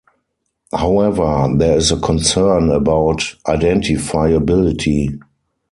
However, there is a concern about identifiability.